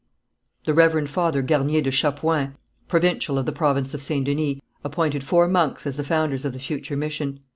The Reverend Father Garnier de Chapouin, provincial of the province of St. Denis, appointed four monks as the founders of the future mission.